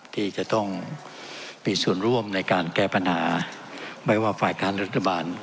ที่จะต้องมีส่วนร่วมในการแก้ปัญหาไม่ว่าฝ่ายค้านรัฐบาล